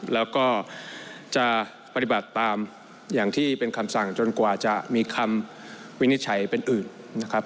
แล้วก็จะปฏิบัติตามอย่างที่เป็นคำสั่งจนกว่าจะมีคำวินิจฉัยเป็นอื่นนะครับ